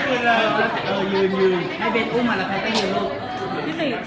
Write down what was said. พี่เหนียวเขาถามว่าเขาอยู่ไหนหรือ